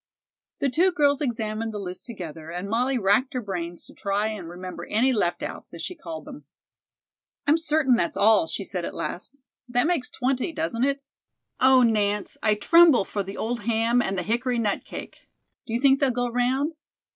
The two girls examined the list together, and Molly racked her brains to try and remember any left outs, as she called them. "I'm certain that's all," she said at last. "That makes twenty, doesn't it? Oh, Nance, I tremble for the old ham and the hickory nut cake. Do you think they'll go round?